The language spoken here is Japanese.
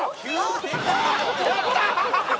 やった！